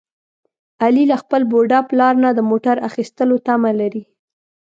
علي له خپل بوډا پلار نه د موټر اخیستلو تمه لري.